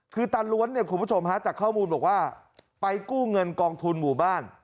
คือตาล้วนเนี่ยคุณผู้ชมฮะจากข้อมูลบอกว่าไปกู้เงินกองทุนหมู่บ้าน